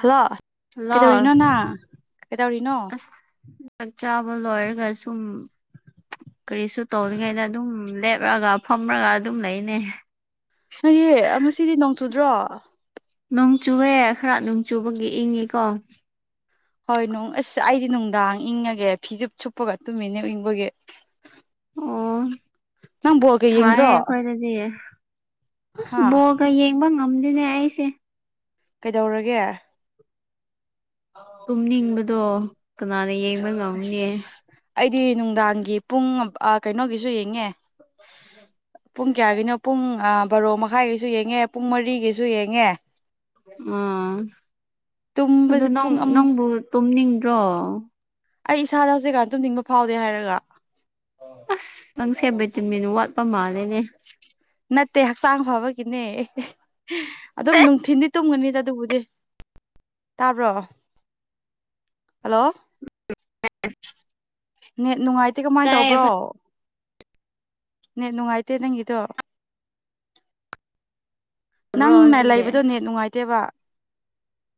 hello ꯂꯣ ꯀꯩꯗꯧꯔꯤꯅꯣ ꯅꯪ ꯀꯩꯗꯧꯔꯤꯅꯣ ꯑ ꯆ ꯆꯥꯛ ꯆꯥꯕ ꯂꯣꯏꯔꯒ ꯁꯨꯝ ꯀꯔꯤꯁꯨ ꯇꯧꯔꯤꯉꯩꯗ ꯑꯗꯨꯝ ꯂꯦꯞꯂꯒ ꯐꯝꯔꯒ ꯑꯗꯨꯝ ꯂꯩꯅꯦ ꯅꯌꯦ ꯉꯁꯤꯗꯤ ꯅꯣꯡꯆꯨꯗ꯭ꯔꯣ ꯅꯣꯡꯆꯨꯋꯦ ꯈꯔ ꯅꯣꯡꯆꯨꯕꯒꯤ ꯏꯪꯉꯤꯀꯣ ꯍꯣꯏ ꯅꯅꯨꯡ ꯑꯁ ꯑꯩꯗꯤ ꯅꯨꯡꯗꯥꯡ ꯏꯪꯉꯒꯦ ꯐꯤꯖꯨꯞ ꯁꯨꯞꯄꯒ ꯇꯨꯝꯃꯤꯅꯦ ꯏꯪꯕꯒꯤ ꯑꯣ ꯅꯪ ꯕꯣꯜꯒ ꯌꯦꯡꯗ꯭ꯔꯣ ꯁꯥꯏꯌꯦ ꯑꯩꯈꯣꯏꯗꯗꯤ ꯑꯁ ꯍꯥ ꯕꯣꯒ ꯌꯦꯡꯕ ꯉꯝꯗꯅꯦ ꯑꯩꯁꯦ ꯀꯩꯗꯧꯔꯒꯦ ꯀꯨꯝꯅꯤꯡꯕꯗꯣ ꯀꯅꯥꯅ ꯌꯦꯡꯕ ꯉꯝꯅꯦ ꯑꯁ ꯑꯩꯗꯤ ꯅꯨꯡꯗꯥꯡꯒꯤ ꯄꯨꯡ ꯀꯩꯅꯣꯒꯤꯁꯨ ꯌꯦꯡꯉꯦ ꯄꯨꯡ ꯀꯌꯥꯒꯤꯅꯣ ꯄꯨꯡ ꯕꯥꯔꯣ ꯃꯈꯥꯏꯒꯤꯁꯨ ꯌꯦꯡꯉꯦ ꯄꯨꯡ ꯃꯔꯤꯒꯤꯁꯨ ꯌꯦꯡꯉꯦ ꯑꯥ ꯑꯗꯨ ꯇꯨꯝꯕꯁꯦ ꯅꯪ ꯄꯨꯡ ꯑꯃ ꯅꯪꯕꯨ ꯇꯨꯝꯅꯤꯡꯗ꯭ꯔꯣ ꯑꯩ ꯏꯁꯥꯗ ꯍꯧꯖꯤꯛꯀꯥꯟ ꯇꯨꯝꯅꯤꯡꯕ ꯐꯥꯎꯗꯦ ꯍꯥꯏꯔꯒ ꯑꯁ ꯅꯪꯁꯦ ꯚꯤꯇꯃꯤꯟ ꯋꯥꯠꯄ ꯃꯥꯜꯂꯦꯅꯦ ꯅꯠꯇꯦ ꯍꯛꯆꯥꯡ ꯐꯕꯒꯤꯅꯦ ꯑꯗꯨꯝ ꯅꯨꯡꯊꯤꯟꯗꯤ ꯇꯨꯝꯒꯅꯤꯗ ꯑꯗꯨꯕꯨꯗꯤ ꯇꯥꯕ꯭ꯔꯣ ꯍꯜꯂꯣ ꯅꯦ ꯅꯨꯡꯉꯥꯏꯇꯦ ꯀꯃꯥꯏꯅ ꯇꯥꯏꯌꯦ ꯇꯧꯕ꯭ꯔꯣ ꯅ ꯅꯨꯡꯉꯥꯏꯇꯦ ꯅꯪꯒꯤꯗꯣ ꯐꯖꯕ꯭ꯔꯣ ꯅꯪꯅ ꯍꯧꯖꯤꯛꯀꯤ ꯂꯩꯕꯗꯣ ꯅꯦ ꯅꯨꯡꯉꯥꯏꯇꯦꯕ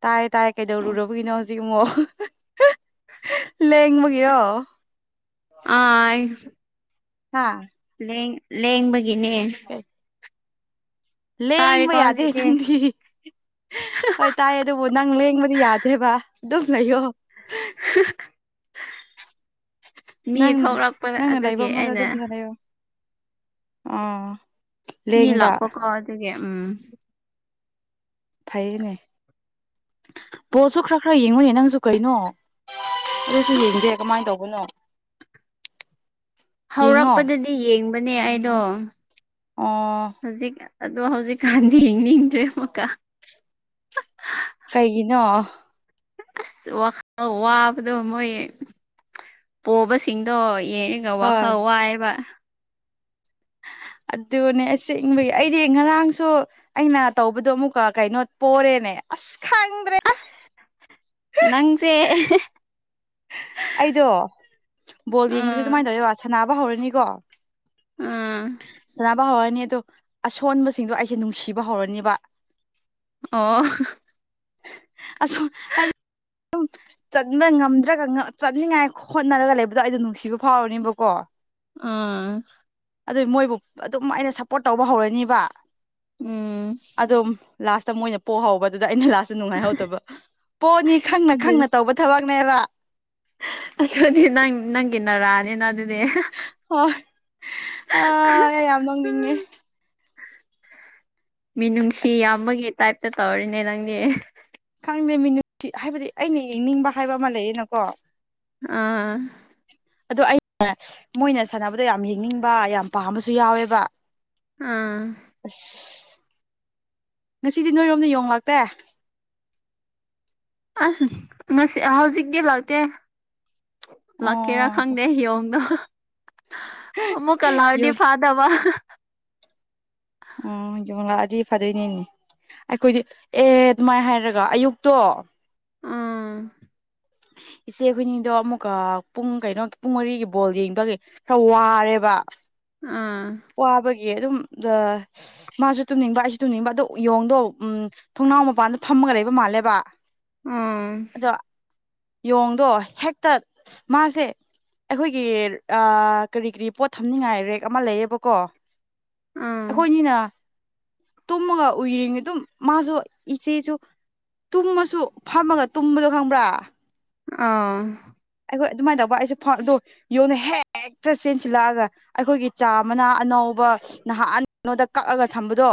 ꯇꯥꯏ ꯇꯥꯏ ꯑꯣ ꯀꯩꯗꯧꯔꯨꯔꯕꯒꯤꯅꯣ ꯍꯧꯖꯤꯛ ꯑꯃꯛ ꯂꯦꯡꯕꯒꯤꯔꯣ ꯑꯁ ꯑꯥ ꯍꯥꯥ ꯂ ꯂꯦꯡꯦꯡꯕꯒꯤꯅꯦ [unintelligible] ꯂꯦꯡꯕ ꯇꯥꯔꯦꯀꯣ ꯌꯥꯗꯦ ꯍꯧꯖꯤꯛꯇꯤ ꯅꯪꯗꯤ ꯍꯣꯏ ꯇꯥꯏ ꯑꯗꯨ ꯑꯣ ꯅꯪ ꯂꯦꯡꯕꯗꯤ ꯌꯥꯗꯦꯕ ꯑꯗꯨꯝ ꯂꯩꯌꯣ [unintelligible] ꯃꯤ ꯅꯪꯅ ꯊꯣꯛꯂꯛꯄꯗ ꯅꯪꯅ ꯂꯥꯏꯕ ꯑꯗꯨꯒꯤ ꯃ ꯃꯖꯥ ꯑꯩꯅ ꯑꯗꯨꯝꯐꯖ ꯂꯩ ꯑꯣꯣ ꯑꯣ ꯃꯤ ꯂꯦꯡꯕ ꯂꯥꯛꯄꯀꯣ ꯑꯗꯨꯒꯤ ꯎꯝ ꯐꯩꯌꯦꯅꯦ ꯄꯣꯠꯁꯨ ꯈꯔ ꯈꯔ ꯌꯦꯡꯉꯨꯅꯦ ꯅꯪꯁꯨ ꯀꯩꯅꯣ ꯑꯗꯨꯁꯨ ꯌꯦꯡꯗꯦ ꯑꯁ ꯀꯃꯥꯏ ꯇꯧꯕꯅꯣ ꯌꯦꯡꯉꯣ ꯍꯧꯔꯛꯄꯗꯗꯤ ꯌꯦꯡꯕꯅꯦ ꯑꯩꯗꯣ ꯑꯥ ꯍꯧꯖꯤꯛ ꯑꯗꯣ ꯍꯧꯖꯤꯛꯀꯥꯟꯗꯤ ꯌꯦꯡꯅꯤꯡꯗ꯭ꯔꯦ ꯑꯃꯨꯛꯀꯥ ꯀꯩꯒꯤꯅꯣ ꯑꯁ ꯋꯥ ꯋꯥꯕꯗꯣ ꯃꯣꯏ ꯄꯣꯕꯁꯤꯡꯗꯣ ꯌꯦꯡꯉ ꯀꯥꯎꯋ ꯍꯣꯏ ꯀꯥꯏꯕ ꯑꯗꯨꯅꯦ ꯆꯤꯡꯕꯒꯤ ꯑꯩꯗꯤ ꯉꯔꯥꯡꯁꯨ ꯑꯩꯅ ꯇꯧꯕꯗꯣ ꯑꯃꯨꯛꯀ ꯀꯩꯅꯣ ꯄꯣꯔꯦꯅꯦ ꯑꯁ ꯈꯪꯗ꯭ꯔꯦ ꯑꯁ ꯅꯪꯁꯦ ꯑꯩꯗꯣ ꯕꯣꯜ ꯌꯦꯡꯕꯁꯦ ꯑꯥ ꯑꯗꯨꯃꯥꯏꯅ ꯇꯧꯋꯣ ꯁꯥꯟꯅꯕ ꯍꯧꯔꯅꯤꯀꯣ ꯑꯥ ꯁꯥꯟꯅꯕ ꯍꯧꯔꯅꯤ ꯑꯣ ꯑꯁꯣꯟꯕꯁꯤꯡꯗꯣ ꯑꯩꯁꯦ ꯅꯨꯡꯁꯤꯕ ꯍꯧꯔꯅꯦꯕ ꯑꯣ ꯑꯣ ꯍꯥꯏꯗꯤ ꯆꯠꯕ ꯉꯝꯗ ꯅꯠꯇ꯭ꯔꯒ ꯆꯠꯅꯤꯡꯉꯥꯏ ꯍꯣꯠꯅꯔꯒ ꯂꯩꯕꯗꯣ ꯑꯩꯗꯣ ꯅꯨꯡꯁꯤꯕ ꯐꯥꯎꯔꯅꯦꯕꯀꯣ ꯑꯥ ꯑꯗꯨ ꯃꯣꯏꯕꯨ ꯑꯗꯨꯝ ꯑꯩꯅ ꯁꯞꯄꯣꯔꯠ ꯇꯧꯕ ꯍꯧꯔꯅꯤꯕ ꯎꯝ ꯑꯗꯨꯝ ꯂꯥꯁꯇ ꯃꯣꯏꯅ ꯄꯣꯛꯍꯧꯕ ꯑꯗꯨꯗ ꯑꯩꯅ ꯂꯥꯁꯇ ꯅꯨꯡꯉꯥꯏꯍꯧꯗꯕ ꯄꯣꯛꯑꯅꯤ ꯈꯪꯅ ꯑꯗꯨ ꯈꯪꯅ ꯇꯧꯕ ꯊꯋꯥꯛꯅꯦꯕ ꯑꯗꯨꯗꯤ ꯅꯪ ꯅꯪꯒꯤ ꯅꯔꯥꯅꯤꯅ ꯑꯗꯨꯅꯦ ꯍꯣꯏ ꯑ ꯌꯥꯝ ꯋꯥꯅꯤꯡꯦ ꯃꯤꯅꯨꯡꯁꯤ ꯑꯁ ꯌꯥꯝꯕꯒꯤ ꯇꯥꯏꯞꯇ ꯇꯧꯔꯤꯅꯦ ꯅꯪꯗꯤ ꯀꯥꯡꯖꯩꯃꯤꯅꯨꯡꯁꯤ ꯍꯥꯏꯕꯗꯤ ꯑꯩꯅ ꯌꯦꯡꯅꯤꯡꯕ ꯍꯥꯏꯕ ꯑꯃ ꯂꯩꯌꯦꯅꯀꯣ ꯑꯥ ꯑꯗꯨꯗ ꯑꯩ ꯃꯣꯏꯅ ꯁꯥꯟꯅꯕꯗ ꯌꯥꯝ ꯌꯦꯡꯅꯤꯡꯕ ꯌꯥꯝ ꯄꯥꯝꯕꯁꯨ ꯌꯥꯎꯋꯦꯕ ꯑꯥ ꯑꯁ ꯉꯁꯤꯗꯤ ꯅꯣꯏꯔꯣꯝꯗ ꯌꯣꯡꯂꯥꯛꯇꯦ ꯑꯁ ꯉꯁꯤ ꯍꯧꯖꯤꯛ ꯀ ꯂꯥꯛꯇꯦ ꯂꯥꯛꯀꯦꯔꯥ ꯑꯣ ꯈꯪꯗꯦ ꯍꯣꯡꯗꯣ ꯃꯃꯨ ꯀꯂꯔꯗꯤ ꯌꯣꯡ ꯐꯥꯗꯕ ꯎꯝ ꯌꯣꯉꯛꯑꯗꯤ ꯐꯗꯣꯏꯅꯦꯅꯦ ꯑꯩꯈꯣꯏꯗꯤ ꯑꯦ ꯑꯗꯨꯃꯥꯏꯅ ꯍꯥꯏꯔꯒ ꯑꯌꯨꯛꯇꯣ ꯎꯝ ꯏꯆꯦ ꯍꯣꯏꯅꯤꯗꯣ ꯑꯃꯨꯛꯀ ꯄꯨꯡ ꯀꯩꯅꯣ ꯄꯨꯡ ꯃꯔꯤꯒꯤ ꯕꯣꯜ ꯌꯦꯡꯕꯒꯤ ꯈꯔ ꯋꯥꯔꯦꯕ ꯑꯥ ꯋꯥꯕꯒꯤ ꯑꯗꯨꯝ ꯃꯥꯁꯨ ꯇꯨꯝꯅꯤꯡꯕ ꯑꯩꯁꯨ ꯇꯨꯝꯅꯤꯡꯕ ꯑꯗꯣ ꯎꯌꯣꯡꯗꯣ ꯎꯝ ꯊꯣꯡꯅꯥꯎ ꯃꯄꯥꯟꯗꯣ ꯐꯝꯃꯒ ꯂꯩꯕ ꯃꯥꯜꯂꯦꯕ ꯑꯥ ꯑꯗꯣ ꯌꯣꯡꯗꯣ ꯍꯦꯛꯇ ꯃꯥꯁꯦ ꯑꯩꯈꯣꯏꯒꯤ ꯀꯔꯤ ꯀꯔꯤ ꯄꯣꯠ ꯊꯝꯅꯤꯡꯉꯥꯏ ꯔꯦꯛ ꯑꯃ ꯂꯩꯌꯦꯕꯀꯣ ꯎꯝ ꯑꯩꯈꯣꯏꯅꯤꯅ ꯇꯨꯝꯃꯒ ꯎꯏꯔꯤꯉꯩ ꯑꯗꯨꯝ ꯃꯥꯁꯨ ꯏꯆꯦꯁꯨ ꯇꯨꯝꯃꯁꯨ ꯐꯝꯃꯒ ꯇꯨꯝꯕꯗꯣ ꯈꯪꯕ꯭ꯔꯥ ꯑꯥ ꯑꯩꯈꯣꯏ ꯑꯗꯨꯃꯥꯏꯅ ꯇꯧꯕ ꯑꯩꯁꯨ ꯐꯥꯎ ꯑꯗꯨ ꯌꯣꯟꯅ ꯍꯦꯛꯇ ꯆꯦꯟꯁꯤꯜꯂꯛꯑꯒ ꯑꯩꯈꯣꯏꯒꯤ ꯆꯥ ꯃꯅꯥ ꯑꯅꯧ ꯕ ꯅꯍꯥꯟ ꯅꯣꯏꯗ ꯀꯛꯑꯒ ꯊꯝꯕꯗꯣ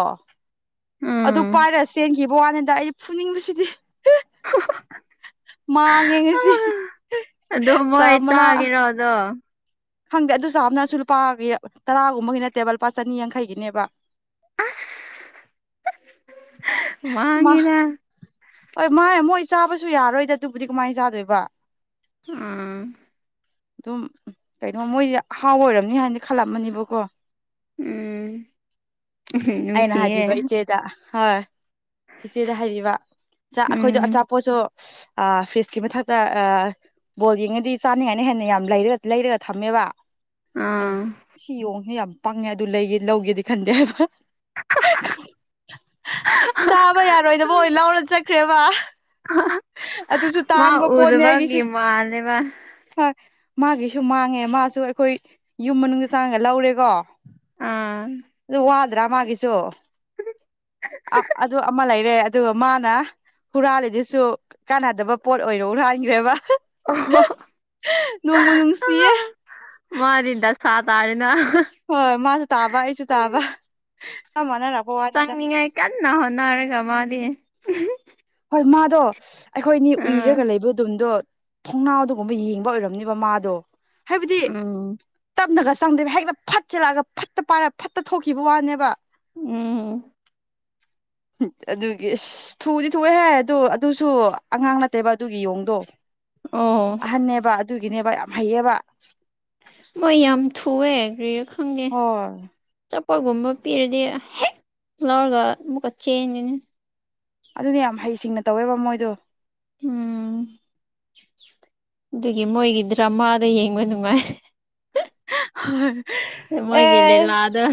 ꯑꯗꯨ ꯎꯝ ꯄꯥꯏꯔ ꯆꯦꯟꯈꯤꯕ ꯋꯥꯅꯤꯗ ꯑꯩ ꯐꯨꯅꯤꯡꯕꯁꯤꯗꯤ ꯍ ꯃꯥꯡ ꯌꯦꯡꯉꯁꯤ ꯆꯥꯃꯅꯥ ꯗꯣ ꯈꯪꯗꯦ ꯑꯗꯨꯁꯨꯞꯅꯁꯨ ꯂꯨꯄꯥꯒꯤ ꯇꯔꯥꯒꯨꯝꯕꯒꯤꯅ ꯇꯦꯕꯜ ꯂꯨꯄꯥ ꯆꯅꯤ ꯌꯥꯡꯈꯩꯒꯤꯅꯦꯕ ꯑꯁ ꯃꯥ ꯃꯥꯉꯤꯔ ꯍꯣꯏ ꯃꯥꯥꯏ ꯃꯣꯏ ꯆꯥꯕꯁꯨ ꯌꯥꯔꯣꯏꯗ ꯑꯗꯨꯕꯨꯗꯤ ꯀꯃꯥꯏꯅ ꯆꯥꯗꯣꯏꯕ ꯑꯥ ꯑꯗꯨꯝ ꯀꯩꯅꯣ ꯃꯣꯏꯗꯤ ꯑꯍꯥꯎ ꯑꯣꯏꯔꯝꯅꯤ ꯍꯥꯏꯅ ꯈꯜꯂꯝꯃꯅꯦꯕꯀꯣ ꯎꯝ ꯑꯩꯅ ꯅꯨꯡꯁꯤꯌꯦ ꯍꯥꯏꯕꯤꯕ ꯏꯆꯦꯗ ꯍꯣꯏ ꯏꯆꯦꯗ ꯍꯥꯏꯔꯤꯕ ꯆꯥ ꯑꯩꯈꯣꯏꯗꯣ ꯎꯝ ꯑꯆꯥꯄꯣꯠꯁꯨ ꯑ ꯐꯦꯤꯁꯀꯤꯃ ꯊ ꯇ ꯑ ꯕꯣꯜ ꯌꯦꯡꯉꯗꯤ ꯆꯥꯅꯤꯉꯥꯏꯅ ꯍꯦꯟꯅ ꯌꯥꯝ ꯂꯩꯔ ꯂꯩꯔꯒ ꯊꯝꯃꯦꯕ ꯑꯩꯅ ꯑꯥ ꯁꯤ ꯌꯣꯡꯁꯦ ꯌꯥꯝ ꯄꯪꯉꯦ ꯑꯗꯨ ꯂꯩꯒꯦ ꯂꯧꯒꯦꯗꯤ ꯈꯟꯗꯦꯕ ꯆꯥꯕ ꯌꯥꯔꯣꯏꯗꯕ ꯑꯣꯏ ꯂꯧꯔ ꯆꯠꯈ꯭ꯔꯦꯕ ꯑꯗꯨꯁꯨ ꯃꯥ ꯇꯥꯡꯕ ꯄꯣꯠꯅꯦ ꯎꯗꯕꯒꯤ ꯑꯩꯒꯤꯁꯦ ꯃꯥꯜꯂꯦꯕ ꯍꯣꯏ ꯃꯥꯒꯤꯁꯨ ꯃꯥꯡꯉꯦ ꯃꯥꯁꯨ ꯑꯩꯈꯣꯏ ꯌꯨꯝ ꯃꯅꯨꯡꯗ ꯆꯥꯡꯉꯒ ꯂꯧꯔꯦꯀꯣ ꯑꯥ ꯑꯗꯨ ꯋꯥꯗ꯭ꯔꯥ ꯃꯥꯒꯤꯁꯨ ꯑꯗꯨ ꯑꯃ ꯂꯩꯔꯦ ꯑꯗꯨꯒ ꯃꯥꯅ ꯍꯨꯔꯥꯜꯂꯤꯗꯨꯁꯨ ꯀꯥꯟꯅꯗꯕ ꯄꯣꯠ ꯑꯣꯏꯅ ꯍꯨꯔꯥꯟꯒ꯭ꯔꯦꯕ ꯑꯣ ꯍꯣ ꯅꯨꯡꯁꯤꯌꯦ ꯃꯥꯗꯤ ꯗꯁꯥ ꯇꯥꯔꯦꯅꯥ ꯍꯣꯏ ꯃꯥꯁꯨ ꯇꯥꯕ ꯑꯩꯁꯨ ꯇꯥꯕ ꯆꯞ ꯃꯥꯟꯅꯔꯞ ꯆꯪꯅꯤꯉꯥꯏ ꯀꯟꯅ ꯍꯣꯠꯅꯔꯒ ꯃꯥꯗꯤ ꯍꯣꯏ ꯃꯥꯗꯣ ꯑꯩꯈꯣꯏꯅꯤ ꯎꯏꯔꯒ ꯎꯝ ꯂꯩꯕꯗꯨꯝꯗꯣ ꯊꯣꯡꯅꯥꯎꯗꯒꯨꯝꯕ ꯌꯦꯡꯕ ꯑꯣꯏꯔꯝꯅꯤꯕ ꯃꯥꯗꯣ ꯍꯥꯏꯕꯗꯤ ꯎꯝ ꯇꯞꯅꯒ ꯆꯪꯗꯦꯕ ꯍꯦꯛꯇ ꯐꯠ ꯆꯦꯜꯂꯛꯑꯒ ꯐꯠꯇ ꯄꯥꯏꯔ ꯐꯠꯇ ꯊꯣꯛꯈꯤꯕ ꯋꯥꯅꯦꯕ ꯎꯝ ꯑꯗꯨꯒꯤ ꯑꯁ ꯊꯨꯗꯤ ꯊꯨꯋꯦꯍꯦ ꯑꯗꯨ ꯑꯗꯨꯁꯨ ꯑꯉꯥꯡ ꯅꯠꯇꯦꯕ ꯑꯗꯨꯒꯤ ꯌꯣꯡꯗꯣ ꯑꯣ ꯑꯍꯟꯅꯦꯕ ꯑꯗꯨꯒꯤꯅꯦꯕ ꯌꯥꯝ ꯍꯩꯌꯦꯕ ꯃꯣꯏ ꯌꯥꯝ ꯊꯨꯑꯦ ꯀ꯭ꯔꯤꯔꯥ ꯈꯪꯗꯦ ꯍꯣꯏ ꯑꯆꯥꯄꯣꯠꯒꯨꯝꯕ ꯄꯤꯔꯗꯤ ꯍꯦꯛ ꯂꯧꯔꯒ ꯑꯃꯨꯛꯀ ꯆꯦꯟꯗꯨꯅꯤ ꯑꯗꯨꯅꯦ ꯌꯥꯝ ꯍꯩꯁꯤꯡꯅ ꯇꯧꯋꯦꯕ ꯃꯣꯏꯗꯣ ꯎꯝ ꯑꯗꯨꯒꯤ ꯃꯣꯏꯒꯤ ꯗ꯭ꯔꯃꯥꯗꯣ ꯌꯦꯡꯕ ꯅꯨꯡꯉꯥꯏ ꯃꯣꯏꯒꯤ ꯑꯦ ꯂꯤꯂꯥꯗꯣ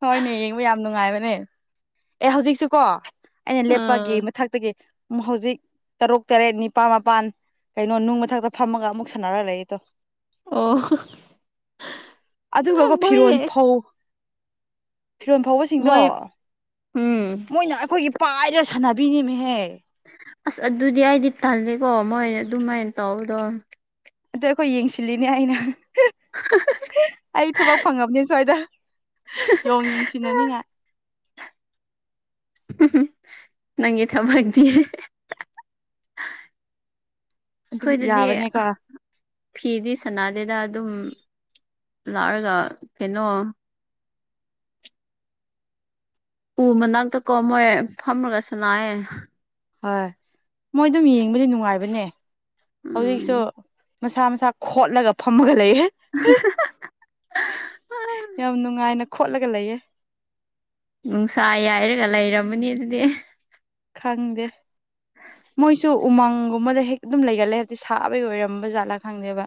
ꯍꯣꯏꯅꯦ ꯌꯦꯡꯕ ꯌꯥꯝ ꯅꯨꯡꯉꯥꯏꯕꯅꯦ ꯑꯦ ꯍꯧꯖꯤꯛꯁꯨꯀꯣ ꯑꯩꯅ ꯂꯦꯞꯄꯒꯤ ꯑꯥ ꯃꯊꯛꯇꯒꯤ ꯍꯧꯖꯤꯛ ꯇꯔꯨꯛ ꯇꯔꯦꯠ ꯅꯤꯄꯥꯟ ꯃꯥꯄꯥꯟ ꯀꯩꯅꯣ ꯅꯨꯡ ꯃꯊꯛꯇ ꯐꯝꯃꯒ ꯑꯃꯨꯛ ꯁꯥꯟꯅꯔ ꯂꯩꯌꯦꯇꯣ ꯑꯣ ꯑꯗꯨꯒꯀꯣ ꯃꯣꯏ ꯐꯤꯔꯣꯟ ꯐꯧ ꯐꯤꯔꯣꯟ ꯐꯧꯕꯁꯤꯡꯗꯣ ꯃꯣꯏ ꯎꯝ ꯃꯣꯏꯅ ꯑꯩꯈꯣꯏꯒꯤ ꯄꯥꯏꯔ ꯁꯥꯟꯅꯕꯤꯅꯤꯃꯦꯍꯦ ꯑꯁ ꯑꯗꯨꯗꯤ ꯑꯩꯗꯤ ꯇꯜꯂꯦꯀꯣ ꯃꯣꯏ ꯑꯗꯨꯃꯥꯏꯅ ꯇꯧꯕꯗꯣ ꯅꯠꯇꯦ ꯑꯩꯈꯣꯏ ꯌꯦꯡꯁꯤꯜꯂꯤꯅꯦ ꯑꯩꯅ ꯑꯩ ꯊꯕꯛ ꯐꯪꯉꯕꯅꯦ ꯁ꯭ꯋꯥꯏꯗ ꯌꯣꯡ ꯌꯦꯡꯁꯤꯟꯅꯅꯤ ꯉꯥꯏ ꯅꯪꯒꯤ ꯊꯕꯛꯇꯤ ꯑꯗꯨꯝ ꯑꯈꯣꯏꯗꯗꯤ ꯌꯥꯕꯅꯦꯀꯣ ꯐꯤꯗꯤ ꯁꯅꯥꯗꯦꯗ ꯑꯗꯨꯝ ꯂꯥꯎꯔꯒ ꯀꯩꯅꯣ ꯎ ꯃꯅꯥꯛꯇꯀꯣ ꯃꯣꯏ ꯐꯝꯔꯒ ꯁꯥꯟꯅꯩꯌꯦ ꯍꯣꯏ ꯃꯣꯏ ꯑꯗꯨꯝ ꯌꯦꯡꯕꯗꯤ ꯅꯨꯡꯉꯥꯏꯕꯅꯦ ꯍꯧꯖꯤꯛꯁꯨ ꯎꯝ ꯃꯁꯥ ꯃꯁꯥ ꯈꯣꯠꯂꯒ ꯐꯝꯃꯒ ꯂꯩꯌꯦ [unintelligible] ꯌꯥꯝ ꯅꯨꯡꯉꯥꯏꯅ ꯈꯣꯠꯂꯒ ꯂꯩꯌꯦ ꯅꯨꯡꯁꯥ ꯌꯥꯏꯔꯒ ꯂꯩꯔꯝꯃꯅꯤ ꯑꯗꯨꯗꯤ ꯈꯪꯗꯦ ꯃꯣꯏꯁꯨ ꯎꯃꯪꯒꯨꯝꯕꯗ ꯍꯦꯛ ꯑꯗꯨꯝ ꯂꯩꯒꯜꯂꯦ ꯍꯥꯢꯕꯗꯤ ꯁꯥꯕꯒꯤ ꯑꯣꯏꯔꯝꯕ ꯖꯥꯠꯂꯥ ꯈꯪꯗꯦꯕ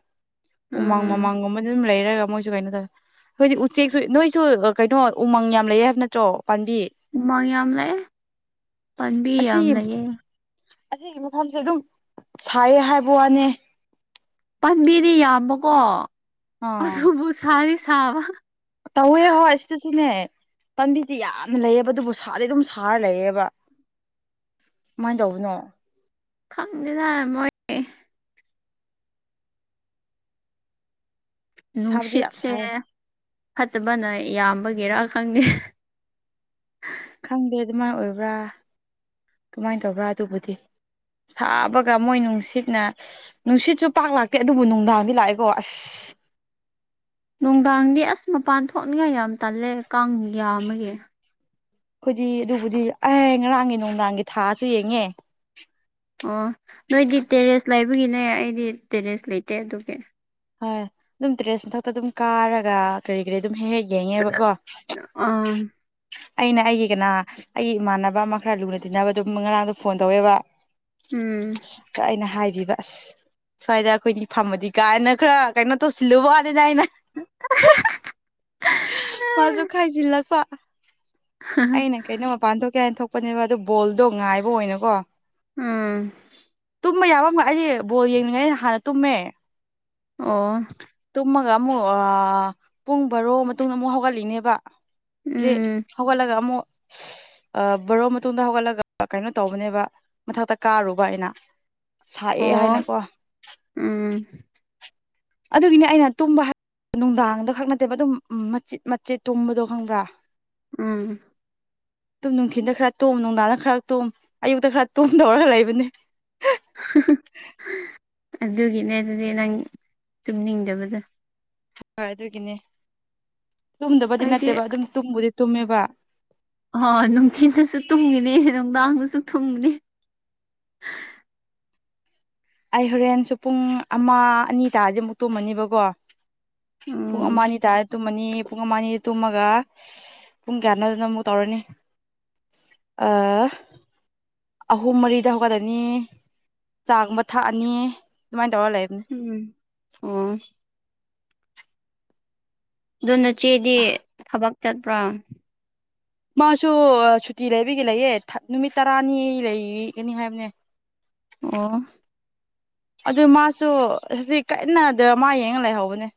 ꯎꯃꯪ ꯎꯝ ꯋꯥꯃꯥꯡꯒꯨꯝꯕ ꯑꯗꯨꯝ ꯂꯩꯔꯒ ꯃꯣꯏ ꯁꯨ ꯀꯥꯏꯅꯣ ꯇꯧꯋꯦ ꯑꯩꯈꯣꯏꯗꯤ ꯎꯆꯦꯛꯁꯨ ꯅꯣꯏꯁꯨ ꯀꯩꯅꯣ ꯎꯃꯪ ꯌꯥꯝ ꯂꯩꯌꯦ ꯍꯥꯏꯕ ꯅꯠꯇ꯭ꯔꯣ ꯄꯥꯟꯕꯤ ꯎꯃꯥꯡ ꯌꯥꯝ ꯂꯩꯌꯦ ꯄꯥꯟꯕꯤ ꯑꯁꯤ ꯌꯥꯝ ꯂꯩꯌꯦ ꯑꯁꯤꯒꯤ ꯃꯐꯝꯁꯦ ꯑꯗꯨꯝ ꯁꯥꯏꯌꯦ ꯍꯥꯏꯕ ꯋꯥꯅꯦ ꯄꯥꯟꯕꯤꯗꯤ ꯌꯥꯝꯕꯀꯣ ꯑꯥ ꯑꯗꯨꯕꯨ ꯁꯥꯗꯤ ꯁꯥꯕ ꯇꯧꯋꯦ ꯍꯣꯏ ꯁꯤꯗ ꯁꯨꯅꯦ ꯄꯥꯝꯕꯤꯗꯤ ꯌꯥꯝꯅ ꯂꯩꯌꯦꯕ ꯑꯗꯨꯕꯨ ꯁꯥꯗꯤ ꯑꯗꯨꯝ ꯁꯥꯔ ꯂꯩꯌꯦꯕ ꯀꯃꯥꯏꯅ ꯇꯧꯕꯅꯣ ꯈꯪꯗꯦꯗ ꯃꯣꯏ ꯁꯥꯕꯗꯤ ꯌꯥꯝ ꯅꯨꯡꯁꯤꯠꯁꯦ ꯁꯥꯏ ꯐꯠꯇꯕꯅ ꯌꯥꯝꯕꯒꯤꯔꯥ ꯈꯪꯗꯦ ꯈꯪꯗꯦ ꯑꯗꯨꯃꯥꯏꯅ ꯑꯣꯏꯕ꯭ꯔꯥ ꯀꯃꯥꯏꯅ ꯇꯧꯕ꯭ꯔꯥ ꯑꯗꯨꯕꯨꯗꯤ ꯁꯥꯕꯒ ꯃꯣꯏ ꯅꯨꯡꯁꯤꯠꯅ ꯅꯨꯡꯁꯤꯠꯁꯨ ꯄꯥꯛ ꯂꯥꯛꯇꯦ ꯑꯗꯨꯕꯨ ꯅꯨꯡꯗꯥꯡꯗꯤ ꯂꯥꯛꯑꯦꯀꯣ ꯑꯁ ꯅꯨꯡꯗꯥꯡꯗꯤ ꯑꯁ ꯃꯄꯥꯟ ꯊꯣꯛꯅꯤꯡꯉꯥꯏ ꯌꯥꯝ ꯇꯜꯂꯦ ꯀꯥꯡ ꯌꯥꯝꯃꯒꯤ ꯑꯩꯈꯣꯏꯗꯤ ꯑꯗꯨꯕꯨꯗꯤ ꯑꯦ ꯉꯔꯥꯡꯒꯤ ꯅꯨꯡꯗꯥꯡꯒꯤ ꯊꯥꯁꯨ ꯌꯦꯡꯉꯦ ꯑꯣ ꯅꯣꯏꯗꯤ ꯇꯦꯔꯦꯁ ꯂꯩꯕꯒꯤꯅꯦ ꯑꯩꯗꯤ ꯇꯦꯔꯦꯁ ꯂꯩꯇꯦ ꯑꯗꯨꯒꯤ ꯍꯣꯏ ꯑꯗꯨꯝ ꯇꯦꯔꯦꯁ ꯃꯊꯛꯇ ꯑꯗꯨꯝ ꯀꯥꯔꯒ ꯀꯔꯤ ꯀꯔꯤ ꯑꯗꯨꯝ ꯍꯦꯛ ꯍꯦꯛ ꯌꯦꯡꯉꯦꯕꯀꯣ ꯑꯥ ꯑꯩꯅ ꯑꯩꯒꯤ ꯀꯅꯥ ꯑꯩꯒꯤ ꯏꯃꯥꯟꯅꯕ ꯑꯃ ꯈꯔ ꯂꯨꯅ ꯇꯤꯟꯅꯕꯗꯨ ꯉꯔꯥꯡꯗꯣ ꯐꯣꯟ ꯇꯧꯋꯦꯕ ꯎꯝ ꯑ ꯑꯩꯅ ꯍꯥꯏꯕꯤꯕ ꯑꯁ ꯁ꯭ꯋꯥꯏꯗ ꯑꯩꯈꯣꯏꯅꯤ ꯐꯝꯃꯗꯤ ꯀꯥꯏꯅ ꯈꯔ ꯀꯩꯅꯣ ꯇꯧꯁꯤꯜꯂꯨꯕ ꯋꯥꯅꯦꯗ ꯑꯩꯅ ꯃꯥꯁꯨ ꯈꯥꯏꯖꯤꯜꯂꯛꯄ ꯑꯩꯅ ꯀꯩꯅꯣ ꯃꯄꯥꯟ ꯊꯣꯛꯀꯦ ꯍꯥꯏꯅ ꯊꯣꯛꯄꯅꯦꯕ ꯑꯗꯨ ꯕꯣꯜꯗꯣ ꯉꯥꯏꯕ ꯑꯣꯏꯅꯀꯣ ꯎꯝ ꯇꯨꯝꯕ ꯌꯥꯕ ꯑꯃ ꯑꯩꯗꯤ ꯕꯣꯜ ꯌꯦꯡꯅꯤꯡꯉꯩꯅ ꯍꯥꯟꯅ ꯇꯨꯝꯃꯦ ꯑꯣ ꯇꯨꯝꯃꯒ ꯑꯃꯨꯛ ꯄꯨꯡ ꯕꯥꯔꯣ ꯃꯇꯨꯡꯗ ꯑꯃꯨꯛ ꯍꯧꯒꯠꯂꯤꯅꯦꯕ ꯗꯤ ꯎꯝ ꯍꯧꯒꯠꯂꯒ ꯑꯃꯨꯛ ꯕꯔꯣ ꯃꯇꯨꯡꯗ ꯍꯧꯒꯠꯂꯒ ꯀꯩꯅꯣ ꯇꯧꯕꯅꯦꯕ ꯃꯊꯛꯇ ꯀꯥꯔꯨꯕ ꯑꯩꯅ ꯁꯥꯏꯑꯦ ꯑꯣ ꯍꯥꯏꯅꯀꯣ ꯎꯝ ꯑꯗꯨꯒꯤꯅꯦ ꯑꯩꯅ ꯇꯨꯝꯕ ꯅꯨꯡꯗꯥꯡꯗ ꯈꯛ ꯅꯠꯇꯦꯕ ꯑꯗꯨꯝ ꯃꯆꯤꯠ ꯃꯆꯤꯠ ꯇꯨꯝꯕꯗꯣ ꯈꯪꯕ꯭ꯔꯥ ꯎꯝ ꯇꯨꯝ ꯅꯨꯡꯊꯤꯟꯗ ꯈꯔ ꯇꯣꯝ ꯅꯨꯡꯗꯥꯡꯗ ꯈꯔ ꯇꯨꯝ ꯑꯌꯨꯛꯇ ꯈꯔ ꯇꯨꯝ ꯇꯧꯔꯒ ꯂꯩꯕꯅꯦ ꯑꯗꯨꯒꯤꯅꯦ ꯑꯗꯨꯗꯤ ꯅꯪ ꯇꯨꯝꯅꯤꯡꯗꯕꯗꯨ ꯍꯣꯏ ꯑꯗꯨꯒꯤꯅꯦ ꯇꯨꯝꯗꯕꯗꯤ ꯑꯩꯗꯤ ꯅꯠꯇꯦꯕ ꯑꯗꯨꯝ ꯇꯨꯝꯕꯨꯗꯤ ꯇꯨꯝꯃꯦꯕ ꯑꯣ ꯅꯨꯡꯊꯤꯜꯗꯁꯨ ꯇꯨꯝꯒꯅꯦ ꯅꯨꯡꯗꯥꯡꯗꯁꯨ ꯊꯨꯝꯒꯅꯤ ꯑꯩ ꯍꯣꯔꯦꯟꯁꯨ ꯄꯨꯡ ꯑꯃ ꯑꯅꯤ ꯇꯥꯔꯗꯤ ꯑꯃꯨꯛ ꯇꯨꯝꯃꯅꯤꯕꯀꯣ ꯄꯨꯡ ꯎꯝ ꯑꯃ ꯑꯅꯤ ꯇꯥ ꯇꯨꯝꯃꯅꯤ ꯄꯨꯡ ꯑꯃ ꯑꯅꯤ ꯇꯨꯝꯃꯒ ꯄꯨꯡ ꯀꯌꯥꯅꯣꯗꯨꯅ ꯑꯃꯨꯛ ꯇꯧꯔꯅꯤ ꯑꯥ ꯑꯍꯨꯝ ꯃꯔꯤꯗ ꯍꯧꯒꯠꯂꯅꯤ ꯆꯥꯒꯨꯝꯕ ꯊꯛꯑꯅꯤ ꯑꯗꯨꯃꯥꯏꯅ ꯇꯧꯔ ꯂꯩꯕꯅꯤ ꯎꯝ ꯑꯣ ꯑꯗꯨ ꯅꯆꯦꯗꯤ ꯊꯕꯛ ꯆꯠꯄ꯭ꯔꯥ ꯃꯥꯁꯨ ꯁꯨꯇꯤ ꯂꯩꯕꯒꯦ ꯂꯩꯌꯦ ꯅꯨꯃꯤꯠ ꯇꯔꯥꯅꯤ ꯂꯩꯒꯅꯤ ꯍꯥꯏꯕꯅꯦ [inaudible] ꯑꯣ ꯑꯗꯨ ꯃꯥꯁꯨ ꯍꯧꯖꯤꯛ ꯀꯟꯅ ꯗ꯭ꯔꯥꯃꯥ ꯌꯦꯡꯉ ꯂꯩꯍꯧꯕꯅꯦ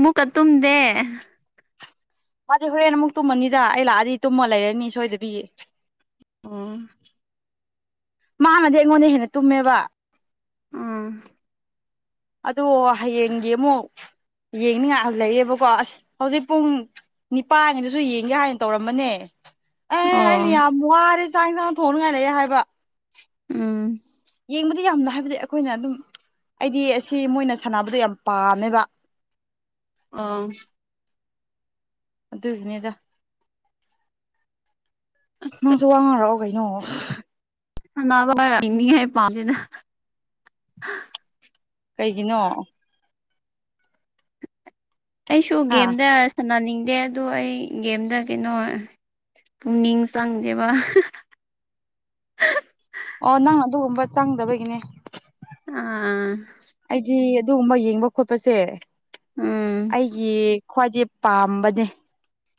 ꯃꯨꯛꯀ ꯇꯨꯝꯗꯦ ꯃꯥꯗꯤ ꯍꯣꯔꯦꯟ ꯑꯃꯨꯛ ꯇꯨꯝꯃꯅꯤꯗ ꯑꯩ ꯂꯥꯛꯑꯗꯤ ꯇꯨꯝꯃ ꯂꯩꯔꯅꯤ ꯁꯣꯏꯗꯕꯤ ꯑꯣ ꯃꯥꯅꯗꯤ ꯑꯩꯉꯣꯟꯗꯩ ꯍꯦꯟꯅ ꯇꯨꯝꯃꯦꯕ ꯑꯥ ꯑꯗꯣ ꯍꯌꯦꯡꯒꯤ ꯑꯃꯨꯛ ꯌꯦꯡꯅꯤꯡꯉꯥꯏ ꯂꯩꯌꯦꯕꯀꯣ ꯑꯁ ꯍꯧꯖꯤꯛ ꯄꯨꯡ ꯅꯤꯄꯥꯟꯉꯩꯗꯨꯁꯨ ꯌꯦꯡꯒꯦ ꯍꯥꯏꯅ ꯇꯧꯔꯝꯕꯅꯦ ꯑꯦ ꯑꯩꯩꯗꯤ ꯑꯣ ꯌꯥꯝ ꯋꯥꯔꯦ ꯆꯥꯛ ꯌꯦꯟꯁꯥꯡ ꯊꯣꯡꯅꯉꯥꯏ ꯂꯩꯌꯦ ꯍꯥꯏꯕ ꯎꯝ ꯌꯦꯡꯕꯗꯤ ꯌꯥꯝꯅ ꯍꯥꯏꯕꯗꯤ ꯑꯩꯈꯣꯏꯅ ꯑꯗꯨꯝ ꯑꯩꯗꯤ ꯑꯁꯤ ꯃꯣꯏꯅ ꯁꯥꯟꯅꯕꯗꯣ ꯌꯥꯝ ꯄꯥꯝꯃꯦꯕ ꯑꯥ ꯑꯗꯨꯒꯤꯅꯤꯗ ꯑꯁ ꯁ ꯋꯥꯡꯉꯔꯛꯑꯣ ꯀꯩꯅꯣ ꯍꯅꯅꯤ ꯍꯥꯏ ꯄꯅ ꯀꯩꯒꯤꯅꯣ ꯑꯩꯁꯨ ꯍꯥ ꯒꯦꯝꯗ ꯁꯥꯟꯅꯅꯤꯡꯗꯦ ꯑꯗꯣ ꯑꯩ ꯒꯦꯝꯗ ꯀꯩꯅꯣ ꯄꯨꯛꯅꯤꯡ ꯆꯪꯗꯦꯕ ꯑꯣ ꯅꯪ ꯑꯗꯨꯒꯨꯝꯕ ꯆꯪꯗꯕꯒꯤꯅꯦ ꯑꯥ ꯑꯩꯗꯤ ꯑꯗꯨꯒꯨꯝꯕ ꯌꯦꯡꯕ ꯈꯣꯠꯄꯁꯦ ꯎꯝ ꯑꯩꯒꯤ ꯈ꯭ꯋꯥꯏꯗꯤ ꯄꯥꯝꯕꯅꯦ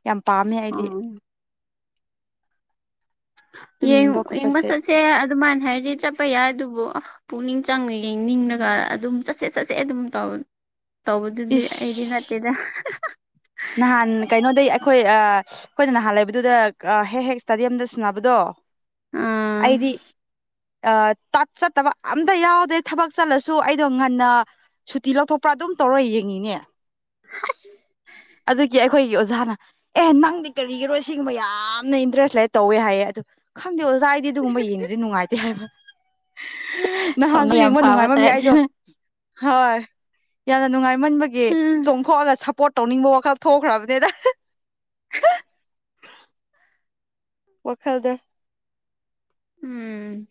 ꯌꯥꯝ ꯄꯥꯝꯃꯦ ꯑꯩꯗꯤ ꯎꯝ ꯑꯗꯨꯝ ꯌꯦꯡꯉ ꯌꯦꯡꯕ ꯈꯣꯠꯄꯁꯦ ꯆꯠꯁꯦ ꯑꯗꯨꯃꯥꯏꯅ ꯍꯥꯏꯔꯗꯤ ꯆꯞ ꯆꯠꯄ ꯌꯥꯏ ꯑꯗꯨꯕꯨ ꯄꯨꯛꯅꯤꯡ ꯆꯪꯅ ꯌꯦꯡꯅꯤꯡꯉꯒ ꯑꯗꯨꯝ ꯆꯠꯁꯦ ꯆꯠꯁꯦ ꯑꯗꯨꯝ ꯇꯧ ꯇꯧꯕꯗꯨꯗꯤ ꯏꯁ ꯑꯩꯗꯤ ꯅꯠꯇꯦꯗ ꯅꯍꯥꯟ ꯀꯩꯅꯣꯗꯩ ꯑꯩꯈꯣꯏ ꯑꯩꯈꯣꯏꯅ ꯅꯍꯥꯟ ꯂꯩꯕꯗꯨꯗ ꯍꯦꯛ ꯍꯦꯛ ꯏꯁꯇꯥꯗꯤꯌꯝꯗ ꯁꯟꯅꯅꯕꯗꯣ ꯑꯥ ꯑꯩꯗꯤ ꯑ ꯇꯠ ꯆꯠꯇꯕ ꯑꯝꯇ ꯌꯥꯎꯗꯦ ꯊꯕꯛ ꯆꯠꯂꯁꯨ ꯑꯩꯗꯣ ꯉꯟꯅ ꯁꯨꯇꯤ ꯂꯧꯊꯣꯛꯄ꯭ꯔꯥ ꯑꯗꯨꯝ ꯇꯧꯔ ꯌꯦꯡꯉꯤꯅꯦ ꯍꯁ ꯑꯗꯨꯒꯤ ꯑꯩꯈꯣꯏꯒꯤ ꯑꯣꯖꯥꯅ ꯑꯦ ꯅꯪꯗꯤ ꯀꯔꯤꯒꯤꯔꯣꯏ ꯁꯤꯒꯨꯝꯕ ꯌꯥꯝꯅ ꯏꯟꯇꯔꯦꯁ ꯂꯩ ꯇꯧꯋꯦ ꯍꯥꯏꯌꯦ ꯑꯣ ꯈꯪꯗꯦ ꯉꯥꯏꯗꯤ ꯑꯗꯨꯒꯨꯝꯕ ꯌꯦꯡꯗꯗꯤ ꯅꯨꯡꯉꯥꯏꯇꯦ ꯍꯥꯏꯕ ꯊꯧꯅ ꯅꯍꯥꯟꯁꯨ ꯌꯥꯝ ꯌꯦꯡꯕ ꯐꯥꯕ ꯅꯨꯡꯉꯥꯏꯃꯝꯃꯤ ꯇꯥꯏꯞ ꯑꯩꯗꯣ ꯍꯣꯏ ꯌꯥꯝꯅ ꯅꯨꯡꯉꯥꯏꯃꯟꯕꯒꯤ ꯆꯣꯡꯊꯣꯛꯑꯒ ꯁꯞꯄꯣꯔꯠ ꯇꯧꯅꯤꯡꯕ ꯋꯥꯈꯜ ꯊꯣꯛꯈ꯭ꯔꯕꯅꯦꯗ ꯋꯥꯈꯜꯗ ꯎꯝ